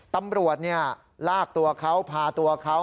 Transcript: ตำรวจลากตัวเขาพาตัวเขา